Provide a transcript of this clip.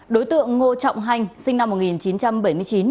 đối tượng ngô trọng hanh sinh năm một nghìn chín trăm bảy mươi chín